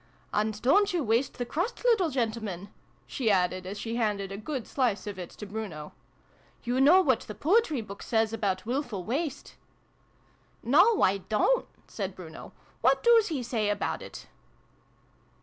"And don't you waste the crust, little gentle man !" she added, as she handed a good slice of it to Bruno. " You know what the poetry book says about wilful waste ?"" No, I dont," said Bruno. " What doos he say about it